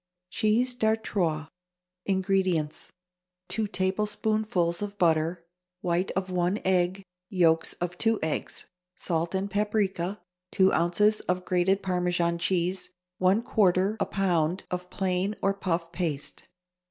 =Cheese d'Artois.= INGREDIENTS. 2 tablespoonfuls of butter. White of 1 egg. Yolks of 2 eggs. Salt and paprica. 2 ounces of grated Parmesan cheese. 1/4 a pound of plain or puff paste.